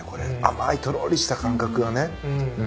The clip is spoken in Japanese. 甘いとろりした感覚がね。